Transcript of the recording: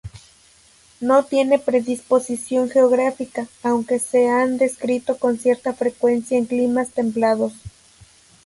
No tiene predisposición geográfica, aunque se han descrito con cierta frecuencia en climas templados.